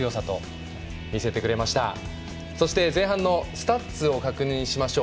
そして、前半のスタッツを確認しましょう。